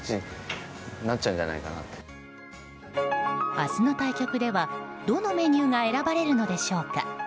明日の対局ではどのメニューが選ばれるのでしょうか。